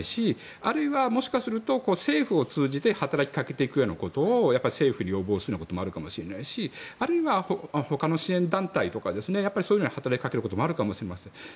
あるいは、もしかすると政府を通じて働きかけていくようなことを政府に要望するようなこともあるかもしれないしあるいは他の支援団体とかに働きかけることもあるかもしれない。